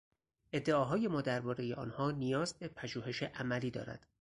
ادعاهای ما دربارهی آنها نیاز به پژوهش عملی دارد.